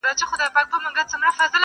د سودا اخیستل هر چاته پلمه وه،